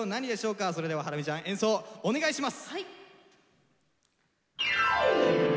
それではハラミちゃん演奏お願いします！